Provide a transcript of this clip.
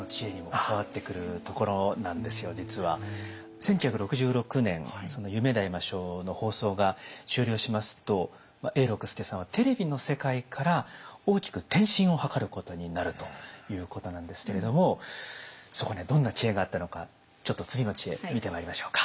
１９６６年「夢であいましょう」の放送が終了しますと永六輔さんはテレビの世界から大きく転身を図ることになるということなんですけれどもそこにはどんな知恵があったのかちょっと次の知恵見てまいりましょうか。